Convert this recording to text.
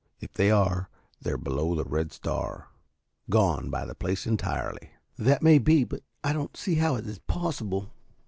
If they are, they're below the Red Star gone by the place entirely." "That may be, but I do not see how it is possible."